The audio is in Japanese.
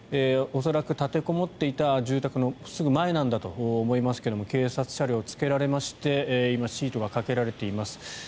恐らく立てこもっていた住宅のすぐ前なんだと思いますが警察車両、つけられまして今、シートがかけられています。